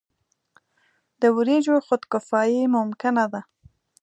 د وریجو خودکفايي ممکنه ده.